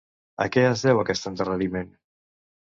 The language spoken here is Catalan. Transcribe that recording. A què es deu aquest endarreriment?